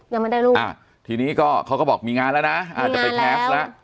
ยังไม่ได้ลูกอ่าทีนี้ก็เขาก็บอกมีงานแล้วนะอาจจะไปแคสต์แล้ว